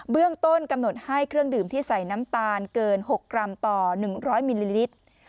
เรื่องต้นกำหนดให้เครื่องดื่มที่ใส่น้ำตาลเกิน๖กรัมต่อ๑๐๐มิลลิลิตร